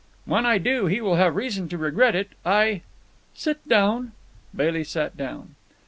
"When I do, he will have reason to regret it. I——" "Sit down." Bailey sat down.